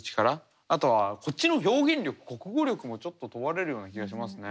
あとはこっちの表現力国語力もちょっと問われるような気がしますね。